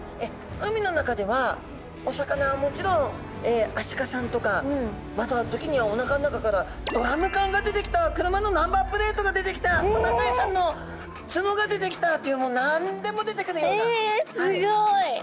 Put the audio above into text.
海の中ではお魚はもちろんアシカさんとかまた時にはおなかの中からドラム缶が出てきた車のナンバープレートが出てきたトナカイさんの角が出てきたというもう何でも出てくるような。